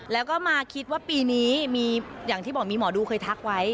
แล้วก็มาคิดว่าปีนี้มีอย่างที่บอกมีหมอดูเคยทักไว้